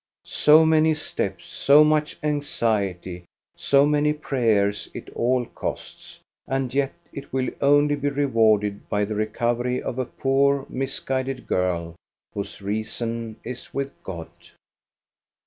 So many steps, so much anxiety, so many prayers it all costs, and yet it will only be rewarded by the recovery of a poor, misguided girl, whose reason is with God.